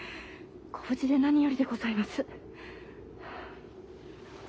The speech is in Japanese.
ご無事で何よりでございます。